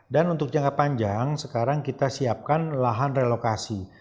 dan untuk jangka panjang sekarang kita siapkan lahan relokasi